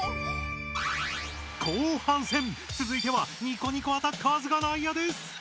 後半戦つづいてはニコニコアタッカーズが内野です。